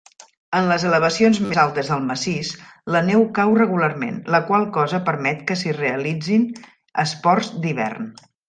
En les elevacions més altes del massís, la neu cau regularment, la qual cosa permet que s'hi realitzin esports d'hivern.